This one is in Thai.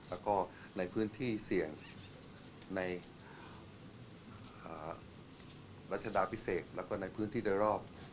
แล้วก็ในพื้นที่เสี่ยงในรัชดาพิเศษแล้วก็ในพื้นที่โดยรอบ